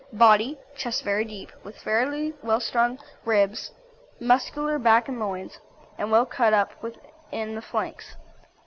BODY Chest very deep, with fairly well sprung ribs; muscular back and loins, and well cut up in the flanks.